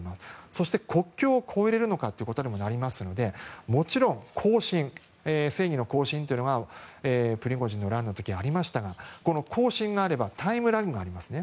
そして、国境を越えられるのかにもなりますので正義の行進というのがプリゴジンの乱の時ありましたが行進があればタイムラグがありますね。